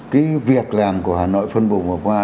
cái việc làm của hà nội phân vùng hồi qua